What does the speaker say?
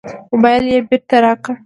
موبایل یې بېرته راکړ.